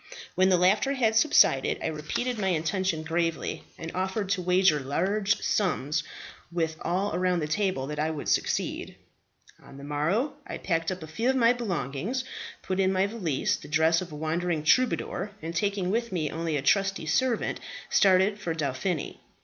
When the laughter had subsided I repeated my intention gravely, and offered to wager large sums with all around the table that I would succeed. "On the morrow I packed up a few of my belongings, put in my valise the dress of a wandering troubadour, and taking with me only a trusty servant, started for Dauphiny.